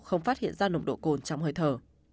không phát hiện ra nồng độ cồn trong hơi thở